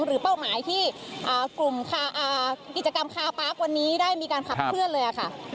หรือเป้าหมายที่กิจกรรมคาปาร์กว่านี้ได้มีการขับเคลื่อนเลย